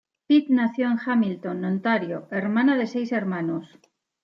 Pitt nació en Hamilton, Ontario, hermana de seis hermanos.